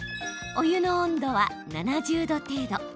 お湯の温度は７０度程度。